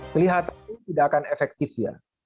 kelihatan itu tidak akan efektif ya